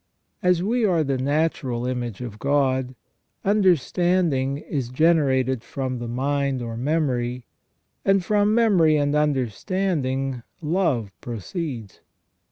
As we are the natural image of God, understanding is generated from the mind or memory, and from memory and under standing love proceeds.